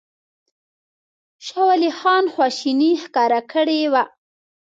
شاه ولي خان خواشیني ښکاره کړې وه.